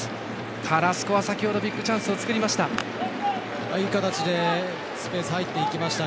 カラスコは、先ほどビッグチャンスを作りました。